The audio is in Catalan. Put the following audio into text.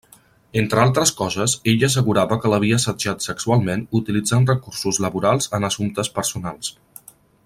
Entre altres coses, ella assegurava que l'havia assetjat sexualment utilitzant recursos laborals en assumptes personals.